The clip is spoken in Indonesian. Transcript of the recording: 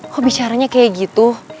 kok bicaranya kayak gitu